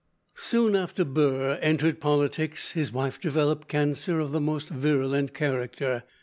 Soon after Burr entered politics, his wife developed cancer of the most virulent character.